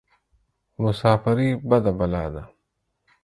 مساپرى بده بلا ده.